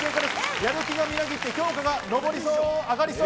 やる気がみなぎって評価が上がりそう。